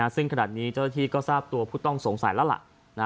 ซึ่งขณะนี้เจ้าหน้าที่ก็ทราบตัวผู้ต้องสงสัยแล้วล่ะ